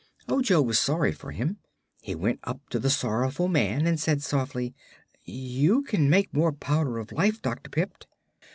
Ojo was sorry for him. He went up to the sorrowful man and said softly: "You can make more Powder of Life, Dr. Pipt."